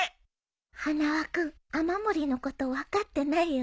花輪君雨漏りのこと分かってないよね。